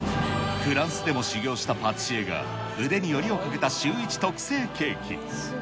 フランスでも修業したパティシエが、腕によりをかけたシューイチ特製ケーキ。